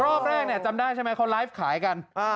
รอบแรกเนี่ยจำได้ใช่ไหมเขาไลฟ์ขายกัน